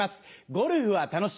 『ゴルフは楽し』